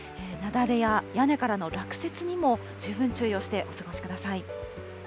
雪崩や屋根からの落雪にも十分注意をしてお過ごしください。